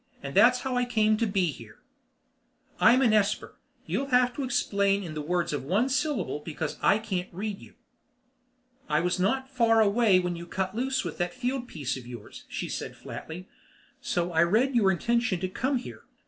"That's how I came to be here." "I'm esper. You'll have to explain in words of one syllable because I can't read you." "I was not far away when you cut loose with that field piece of yours," she said flatly. "So I read your intention to come here.